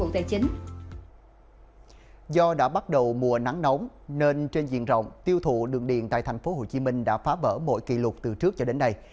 trước đó đã bắt đầu mùa nắng nóng nên trên diện rộng tiêu thụ đường điện tại tp hcm đã phá vỡ mọi kỳ lục từ trước cho đến nay